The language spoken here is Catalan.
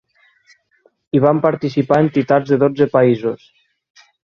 Hi van participar entitats de dotze països.